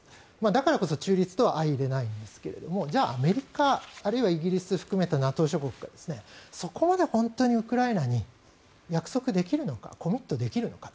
だからこそ中立とは相容れないんですがじゃあ、アメリカあるいはイギリス含めたＮＡＴＯ諸国がそこまで本当にウクライナに約束できるのかコミットできるのか